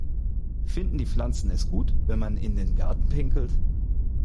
Finden die Pflanzen es gut, wenn man in den Garten pinkelt?